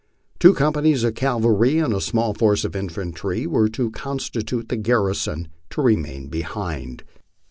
Two companies of cavalry and a small force of infantry were to constitute the garrison to remain behind.